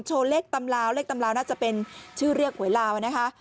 เลขตำลาวเลขตำราวน่าจะเป็นชื่อเรียกหวยลาวนะคะ